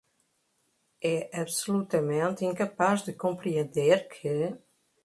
é absolutamente incapaz de compreender que